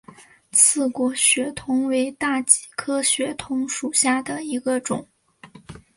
刺果血桐为大戟科血桐属下的一个种。